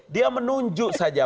dia menunjuk saja